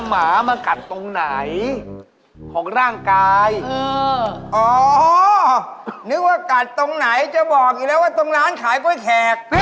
ไม่อยากรู้แหละแล้วตอนนี้เป็นไงบ้างอ่ะ